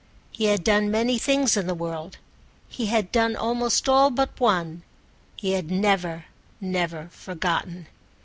He had done many things in the world—he had done almost all but one: he had never, never forgotten.